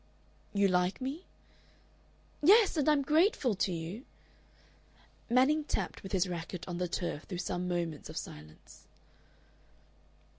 "You like me?" "Yes. And I am grateful to you...." Manning tapped with his racket on the turf through some moments of silence.